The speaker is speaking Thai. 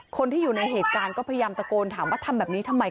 คนที่อยู่ในเหตุการณ์ก็พยายามตะโกนถามว่าทำแบบนี้ทำไม